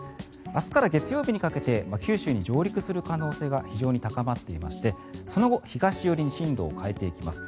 明日から月曜日にかけて九州に上陸する可能性が非常に高まっていましてその後、東寄りに進路を変えていきます。